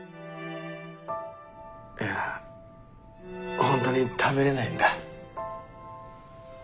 いやほんとに食べれないんだ。